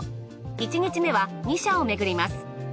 １日目は２社をめぐります。